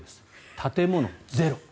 建物ゼロ。